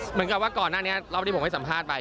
เหมือนกับว่าก่อนหน้านี้รอบที่ผมให้สัมภาษณ์ไป